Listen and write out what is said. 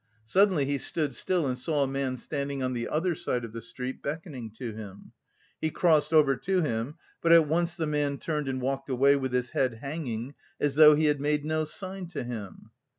Suddenly he stood still and saw a man standing on the other side of the street, beckoning to him. He crossed over to him, but at once the man turned and walked away with his head hanging, as though he had made no sign to him.